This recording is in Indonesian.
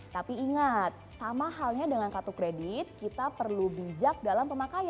tapi ingat sama halnya dengan kartu kredit kita perlu bijak dalam pemakaian